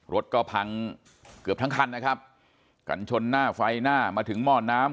รถก็พังเกือบทั้งคันนะครับกันชนหน้าไฟหน้ามาถึงหม้อน้ำ